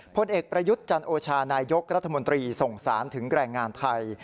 ผลเอกประยุทธ์จันโอชานายกรัฐมนตรีส่งสารถึงแรงงานไทย